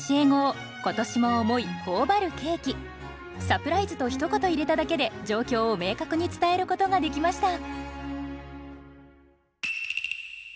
「サプライズ！」とひと言入れただけで状況を明確に伝えることができました。